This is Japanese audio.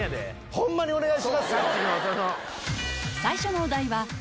ホンマにお願いしますよ。